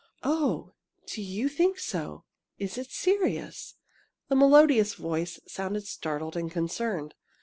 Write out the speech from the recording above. "Oh, do you think so? Is it serious?" The melodious voice sounded startled and concerned.